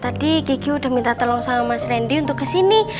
tadi kiki udah minta tolong sama mas randy untuk kesini